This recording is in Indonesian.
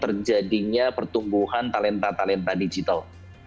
terjadinya pertumbuhan talenta talenta digital